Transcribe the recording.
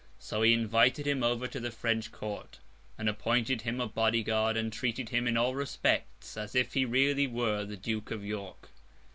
So, he invited him over to the French Court, and appointed him a body guard, and treated him in all respects as if he really were the Duke of York.